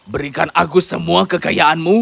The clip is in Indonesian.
berikan aku semua kekayaanmu